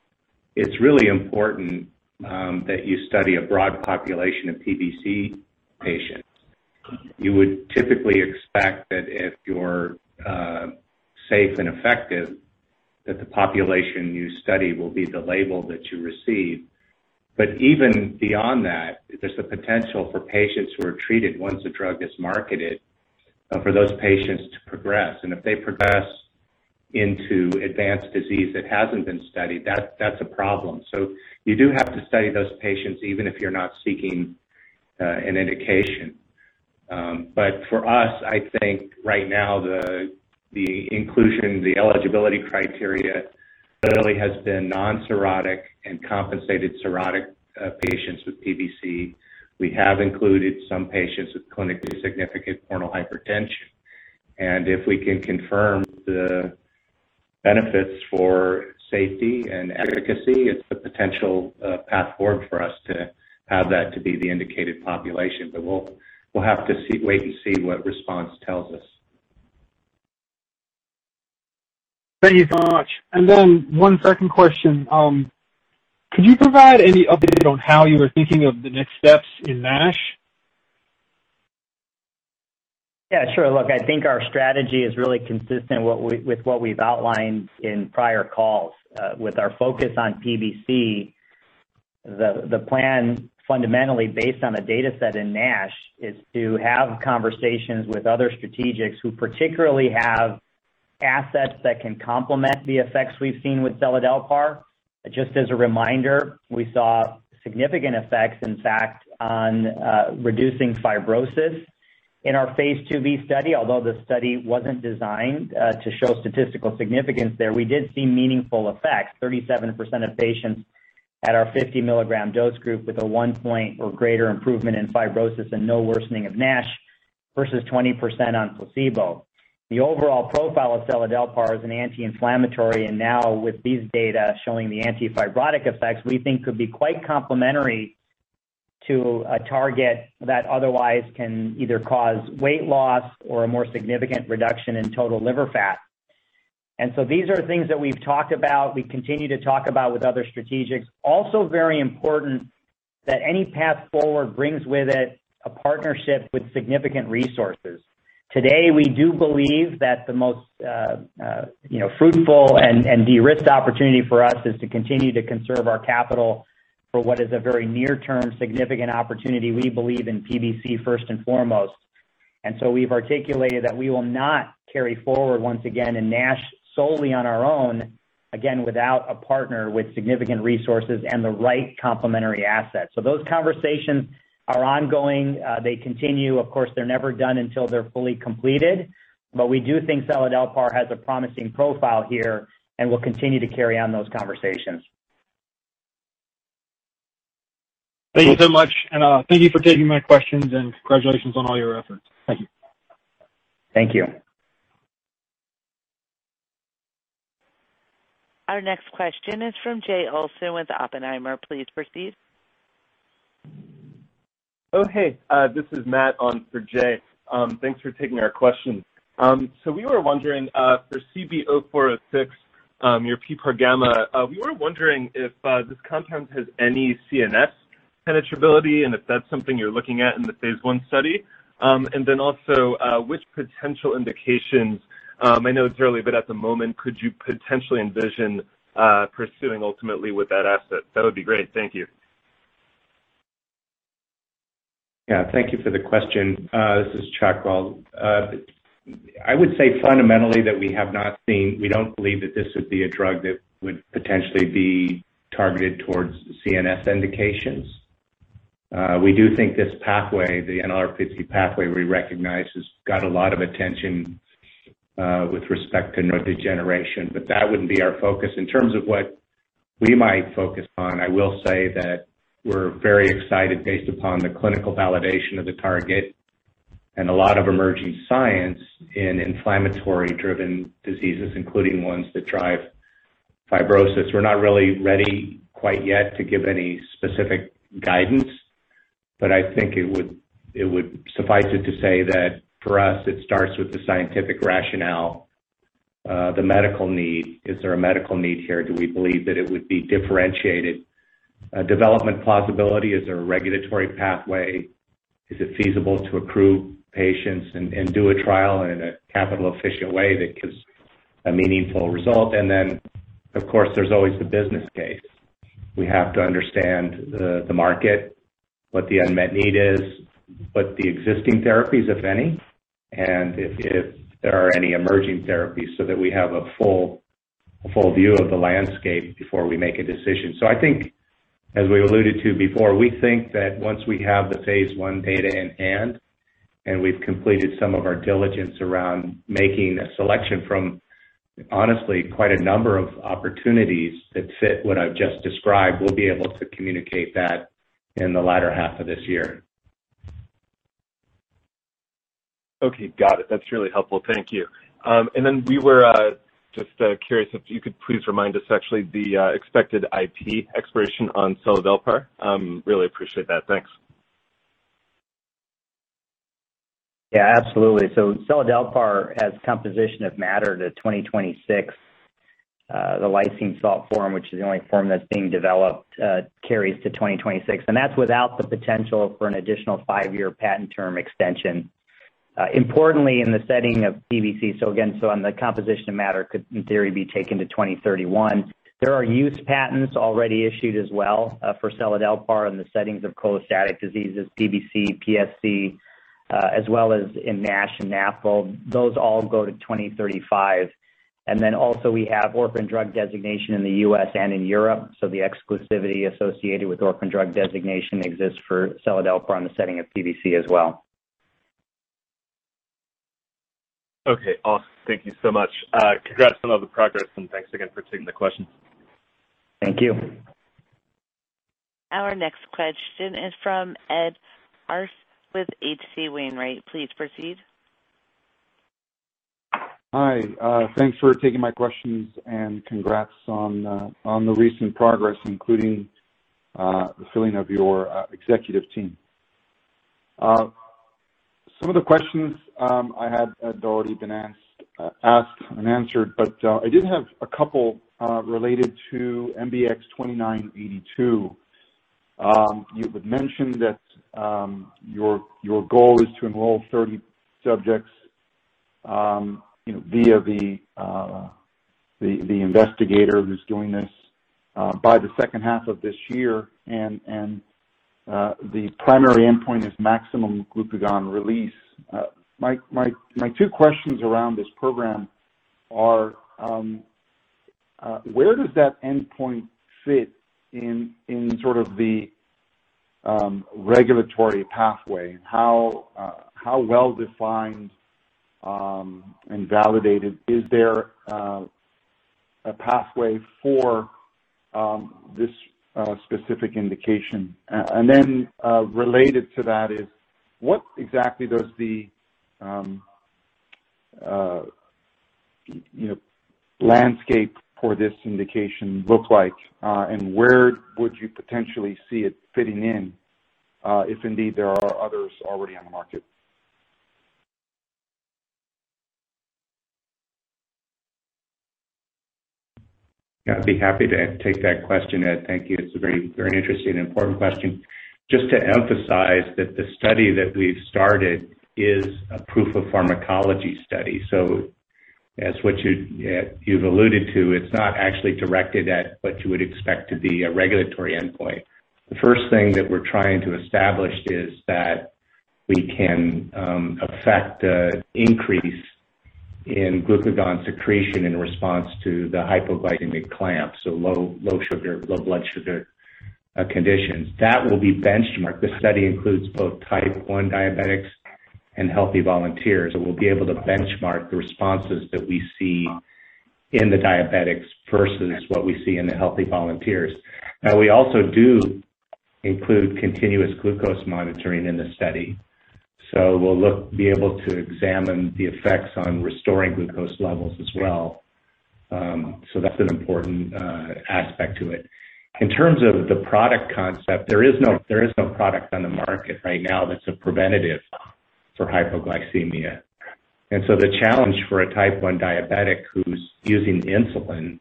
it's really important that you study a broad population of PBC patients. You would typically expect that if you're safe and effective, that the population you study will be the label that you receive. Even beyond that, there's the potential for patients who are treated once a drug is marketed, for those patients to progress. If they progress into advanced disease that hasn't been studied, that's a problem. You do have to study those patients, even if you're not seeking an indication. For us, I think right now, the inclusion, the eligibility criteria clearly has been non-cirrhotic and compensated cirrhotic patients with PBC. We have included some patients with clinically significant portal hypertension. If we can confirm the benefits for safety and efficacy, it's a potential path forward for us to have that to be the indicated population. We'll have to wait and see what RESPONSE tells us. Thank you so much. Then one second question. Could you provide any update on how you are thinking of the next steps in NASH? Yeah, sure. Look, I think our strategy is really consistent with what we've outlined in prior calls. With our focus on PBC, the plan fundamentally based on the data set in NASH, is to have conversations with other strategics who particularly have assets that can complement the effects we've seen with seladelpar. Just as a reminder, we saw significant effects, in fact, on reducing fibrosis in our phase II-B study. Although the study wasn't designed to show statistical significance there, we did see meaningful effects. 37% of patients at our 50 mg dose group with a one point or greater improvement in fibrosis and no worsening of NASH versus 20% on placebo. The overall profile of seladelpar as an anti-inflammatory, and now with these data showing the anti-fibrotic effects, we think could be quite complementary to a target that otherwise can either cause weight loss or a more significant reduction in total liver fat. These are things that we've talked about, we continue to talk about with other strategics. Also very important that any path forward brings with it a partnership with significant resources. Today, we do believe that the most fruitful and de-risked opportunity for us is to continue to conserve our capital for what is a very near-term significant opportunity, we believe in PBC first and foremost. We've articulated that we will not carry forward once again in NASH solely on our own, again, without a partner with significant resources and the right complementary assets. Those conversations are ongoing. They continue. Of course, they're never done until they're fully completed. We do think seladelpar has a promising profile here and will continue to carry on those conversations. Thank you so much. Thank you for taking my questions, congratulations on all your efforts. Thank you. Thank you. Our next question is from Jay Olson with Oppenheimer. Please proceed. Hey. This is Matt on for Jay. Thanks for taking our question. We were wondering for CB-0406, your PPAR-gamma, we were wondering if this compound has any CNS penetrability and if that's something you're looking at in the phase I study. Also which potential indications, I know it's early, but at the moment could you potentially envision pursuing ultimately with that asset? That would be great. Thank you. Thank you for the question. This is Chuck. Well, I would say fundamentally that we have not seen we don't believe that this would be a drug that would potentially be targeted towards CNS indications. We do think this pathway, the NLRP3 pathway we recognize, has got a lot of attention with respect to neurodegeneration, but that wouldn't be our focus. In terms of what we might focus on, I will say that we're very excited based upon the clinical validation of the target and a lot of emerging science in inflammatory-driven diseases, including ones that drive fibrosis. We're not really ready quite yet to give any specific guidance, but I think it would suffice it to say that for us, it starts with the scientific rationale, the medical need. Is there a medical need here? Do we believe that it would be differentiated? Development plausibility. Is there a regulatory pathway? Is it feasible to accrue patients and do a trial in a capital-efficient way that gives a meaningful result? Of course, there's always the business case. We have to understand the market, what the unmet need is, what the existing therapies, if any, and if there are any emerging therapies so that we have a full view of the landscape before we make a decision. I think, as we alluded to before, we think that once we have the phase I data in hand, and we've completed some of our diligence around making a selection from, honestly, quite a number of opportunities that fit what I've just described, we'll be able to communicate that in the latter half of this year. Okay. Got it. That's really helpful. Thank you. We were just curious if you could please remind us actually the expected IP expiration on seladelpar? Really appreciate that. Thanks. Yeah, absolutely. seladelpar has composition of matter to 2026. The lysine salt form, which is the only form that's being developed, carries to 2026, and that's without the potential for an additional five-year patent term extension. Importantly, in the setting of PBC, the composition of matter could, in theory, be taken to 2031. There are use patents already issued as well for seladelpar in the settings of cholestatic diseases, PBC, PSC, as well as in NASH and NAFLD. Those all go to 2035. Also, we have orphan drug designation in the U.S. and in Europe, the exclusivity associated with orphan drug designation exists for seladelpar in the setting of PBC as well. Okay, awesome. Thank you so much. Congrats on all the progress. Thanks again for taking the questions. Thank you. Our next question is from Ed Arce with H.C. Wainwright. Please proceed. Hi. Thanks for taking my questions, and congrats on the recent progress, including the filling of your executive team. Some of the questions I had had already been asked and answered, but I did have a couple related to MBX-2982. You had mentioned that your goal is to enroll 30 subjects via the investigator who's doing this by the second half of this year, and the primary endpoint is maximum glucagon release. My two questions around this program are, where does that endpoint fit in sort of the regulatory pathway? How well defined and validated is there a pathway for this specific indication? Related to that is what exactly does the landscape for this indication look like and where would you potentially see it fitting in if indeed there are others already on the market? I'd be happy to take that question, Ed. Thank you. It's a very interesting and important question. Just to emphasize that the study that we've started is a proof of pharmacology study. As what you've alluded to, it's not actually directed at what you would expect to be a regulatory endpoint. The first thing that we're trying to establish is that we can affect an increase in glucagon secretion in response to the hypoglycemic clamp, so low blood sugar conditions. That will be benchmarked. The study includes both type 1 diabetics and healthy volunteers, and we'll be able to benchmark the responses that we see in the diabetics versus what we see in the healthy volunteers. We also do include continuous glucose monitoring in the study, so we'll be able to examine the effects on restoring glucose levels as well. That's an important aspect to it. In terms of the product concept, there is no product on the market right now that's a preventative for hypoglycemia. The challenge for a type 1 diabetic who's using insulin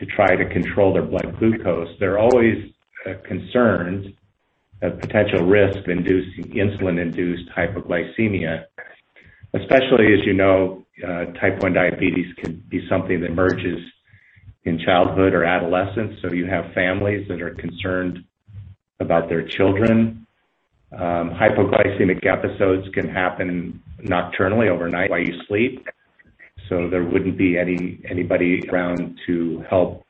to try to control their blood glucose, they're always concerned of potential risk of insulin-induced hypoglycemia. Especially, as you know, type 1 diabetes can be something that emerges in childhood or adolescence, so you have families that are concerned about their children. Hypoglycemic episodes can happen nocturnally overnight while you sleep, so there wouldn't be anybody around to help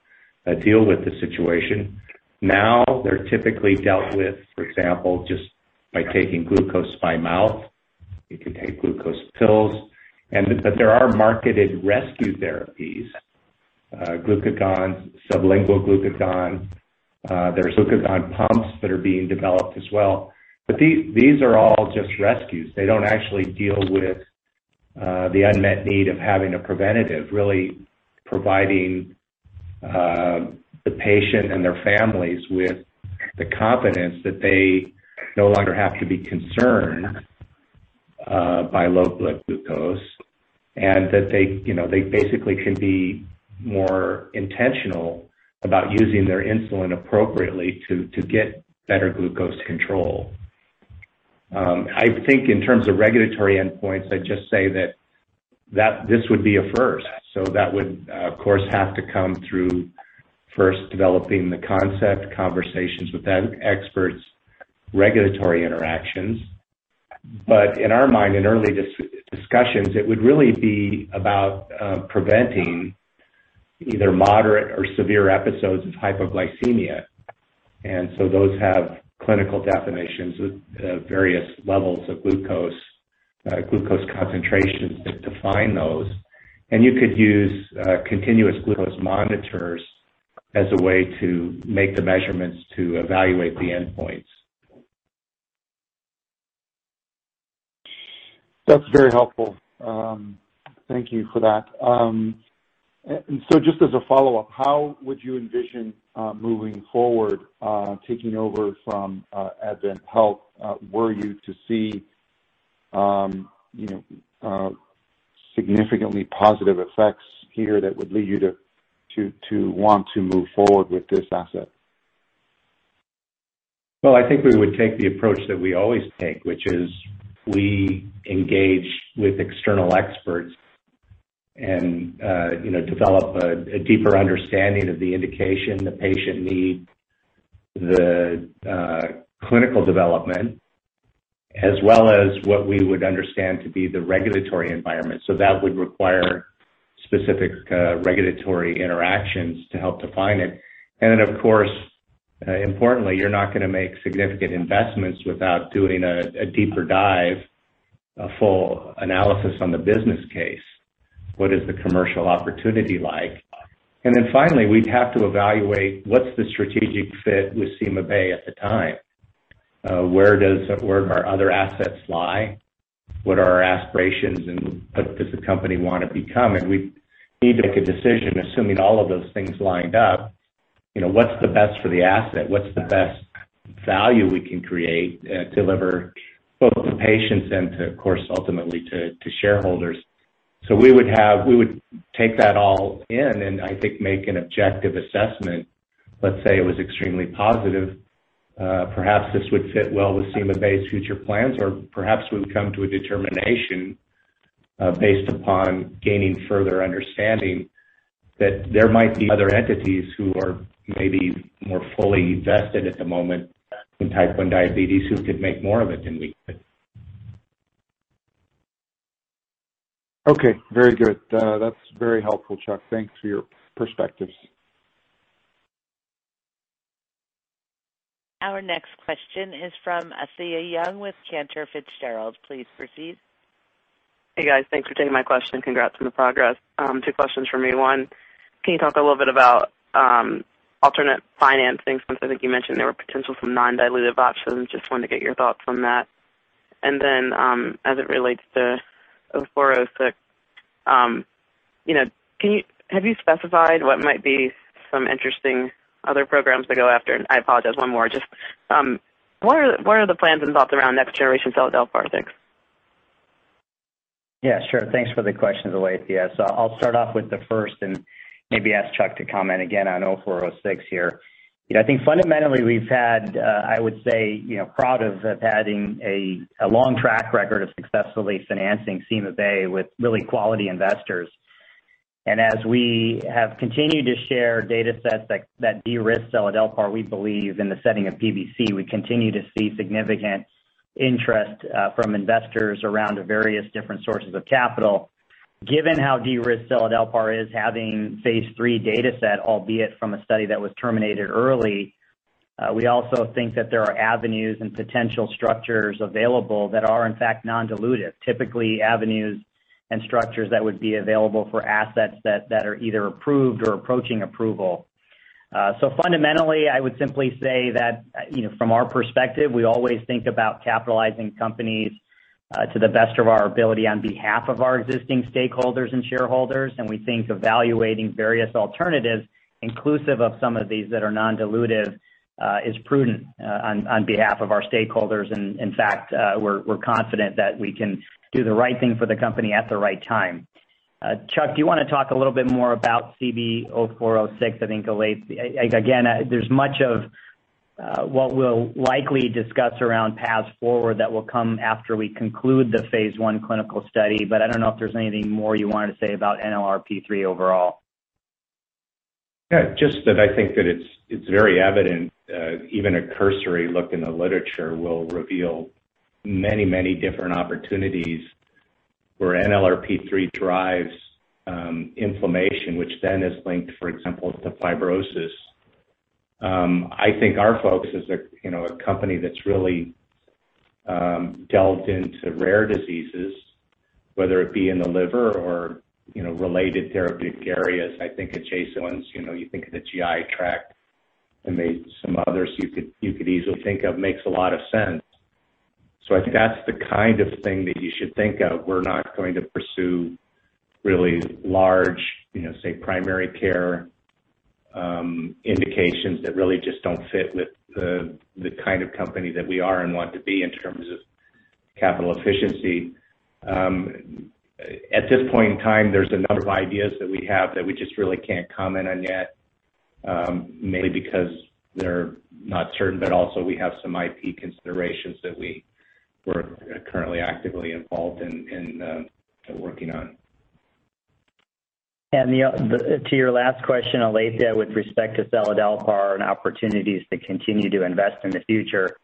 deal with the situation. Now, they're typically dealt with, for example, just by taking glucose by mouth. You can take glucose pills. There are marketed rescue therapies, glucagons, sublingual glucagon. There are glucagon pumps that are being developed as well. These are all just rescues. They don't actually deal with the unmet need of having a preventative, really providing the patient and their families with the confidence that they no longer have to be concerned by low blood glucose and that they basically can be more intentional about using their insulin appropriately to get better glucose control. I think in terms of regulatory endpoints, I'd just say that this would be a first. That would, of course, have to come through first developing the concept, conversations with experts, regulatory interactions. In our mind, in early discussions, it would really be about preventing either moderate or severe episodes of hypoglycemia. Those have clinical definitions with various levels of glucose concentrations that define those. You could use continuous glucose monitors as a way to make the measurements to evaluate the endpoints. That's very helpful. Thank you for that. Just as a follow-up, how would you envision moving forward, taking over from AdventHealth, were you to see significantly positive effects here that would lead you to want to move forward with this asset? Well, I think we would take the approach that we always take, which is we engage with external experts and develop a deeper understanding of the indication, the patient need, the clinical development, as well as what we would understand to be the regulatory environment. That would require specific regulatory interactions to help define it. Of course, importantly, you're not going to make significant investments without doing a deeper dive, a full analysis on the business case. What is the commercial opportunity like? Finally, we'd have to evaluate what's the strategic fit with CymaBay at the time. Where do our other assets lie? What are our aspirations and what does the company want to become? We'd need to make a decision, assuming all of those things lined up, what's the best for the asset? What's the best value we can create and deliver both to patients and to, of course, ultimately to shareholders. We would take that all in and I think make an objective assessment. Let's say it was extremely positive. Perhaps this would fit well with CymaBay's future plans or perhaps we'd come to a determination based upon gaining further understanding that there might be other entities who are maybe more fully vested at the moment in type 1 diabetes who could make more of it than we could. Okay. Very good. That's very helpful, Chuck. Thanks for your perspectives. Our next question is from Alethia Young with Cantor Fitzgerald. Please proceed. Hey, guys. Thanks for taking my question and congrats on the progress. Two questions from me. One, can you talk a little bit about alternate financing since I think you mentioned there were potential some non-dilutive options. Just wanted to get your thoughts on that. As it relates to CB-0406, have you specified what might be some interesting other programs to go after? I apologize, one more. Just what are the plans and thoughts around next generation seladelpar? Yeah, sure. Thanks for the questions, Alethia Young. I'll start off with the first and maybe ask Chuck to comment again on CB-0406 here. I think fundamentally we've had, I would say, proud of having a long track record of successfully financing CymaBay with really quality investors. As we have continued to share datasets that de-risk seladelpar, we believe in the setting of PBC, we continue to see significant interest from investors around various different sources of capital. Given how de-risked seladelpar is, having phase III dataset, albeit from a study that was terminated early, we also think that there are avenues and potential structures available that are in fact non-dilutive. Typically, avenues and structures that would be available for assets that are either approved or approaching approval. Fundamentally, I would simply say that from our perspective, we always think about capitalizing companies to the best of our ability on behalf of our existing stakeholders and shareholders. We think evaluating various alternatives inclusive of some of these that are non-dilutive is prudent on behalf of our stakeholders. In fact, we're confident that we can do the right thing for the company at the right time. Chuck, do you want to talk a little bit more about CB-0406? I think, again, there's much of what we'll likely discuss around paths forward that will come after we conclude the phase I clinical study. I don't know if there's anything more you wanted to say about NLRP3 overall. Yeah, just that I think that it's very evident. Even a cursory look in the literature will reveal many different opportunities where NLRP3 drives inflammation, which then is linked, for example, to fibrosis. I think our focus as a company that's really delved into rare diseases, whether it be in the liver or related therapeutic areas, I think adjacent ones, you think of the GI tract and maybe some others you could easily think of, makes a lot of sense. I think that's the kind of thing that you should think of. We're not going to pursue really large say primary care indications that really just don't fit with the kind of company that we are and want to be in terms of capital efficiency. At this point in time, there's a number of ideas that we have that we just really can't comment on yet. Mainly because they're not certain, but also we have some IP considerations that we're currently actively involved in working on. To your last question, Alethia, with respect to seladelpar and opportunities to continue to invest in the future.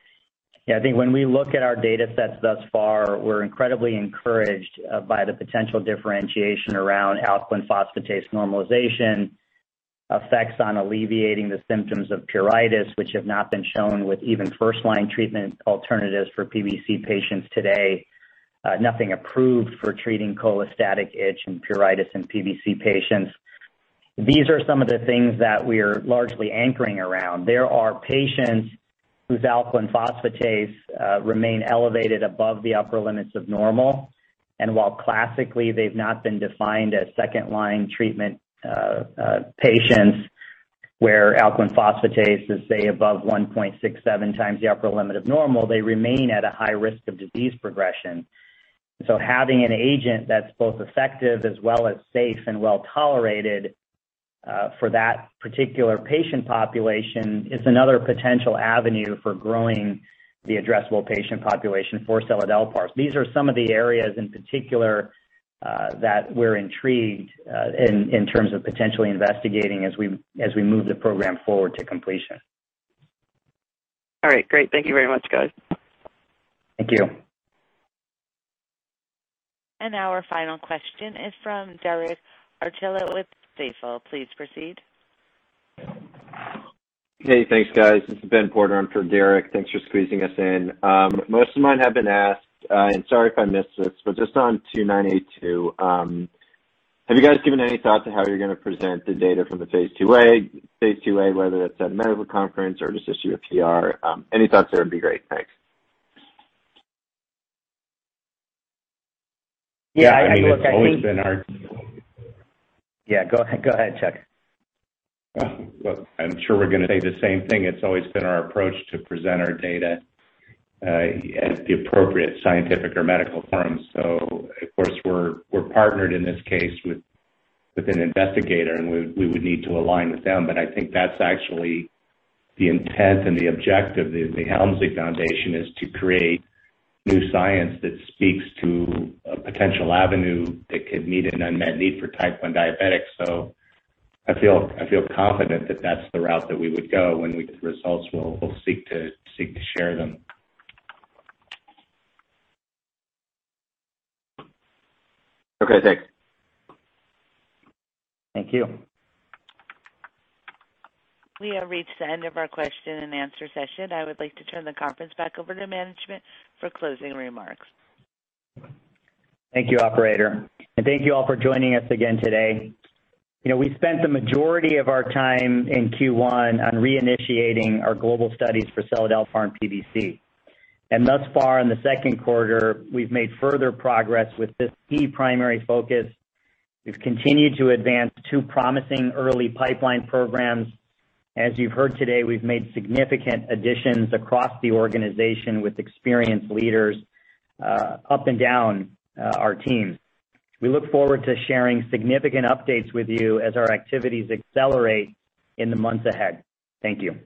When we look at our datasets thus far, we're incredibly encouraged by the potential differentiation around alkaline phosphatase normalization, effects on alleviating the symptoms of pruritus, which have not been shown with even first-line treatment alternatives for PBC patients today. Nothing approved for treating cholestatic itch and pruritus in PBC patients. These are some of the things that we're largely anchoring around. There are patients whose alkaline phosphatase remain elevated above the upper limits of normal. While classically they've not been defined as second-line treatment patients where alkaline phosphatase is, say, above 1.67 times the upper limit of normal, they remain at a high risk of disease progression. Having an agent that's both effective as well as safe and well-tolerated for that particular patient population is another potential avenue for growing the addressable patient population for seladelpar. These are some of the areas in particular that we're intrigued in terms of potentially investigating as we move the program forward to completion. All right. Great. Thank you very much, guys. Thank you. Now our final question is from Derek Archila with Stifel. Please proceed. Hey, thanks, guys. This is Ben Porter. I'm for Derek. Thanks for squeezing us in. Most of mine have been asked, and sorry if I missed this, but just on 2982, have you guys given any thought to how you're going to present the data from the phase II-A, whether that's at a medical conference or just issue a PR? Any thoughts there would be great. Thanks. Yeah, I mean, look. Yeah, it's always been our. Yeah, go ahead, Chuck. Well, I'm sure we're going to say the same thing. It's always been our approach to present our data at the appropriate scientific or medical forums. Of course, we're partnered in this case with an investigator, and we would need to align with them. I think that's actually the intent and the objective of the Helmsley Charitable Trust is to create new science that speaks to a potential avenue that could meet an unmet need for type 1 diabetics. I feel confident that that's the route that we would go. When we get the results, we'll seek to share them. Okay, thanks. Thank you. We have reached the end of our question and answer session. I would like to turn the conference back over to management for closing remarks. Thank you, operator, and thank you all for joining us again today. We spent the majority of our time in Q1 on reinitiating our global studies for seladelpar in PBC. Thus far in the second quarter, we've made further progress with this key primary focus. We've continued to advance two promising early pipeline programs. As you've heard today, we've made significant additions across the organization with experienced leaders up and down our teams. We look forward to sharing significant updates with you as our activities accelerate in the months ahead. Thank you.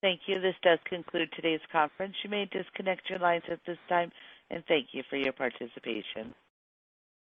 Thank you. This does conclude today's conference. You may disconnect your lines at this time, and thank you for your participation.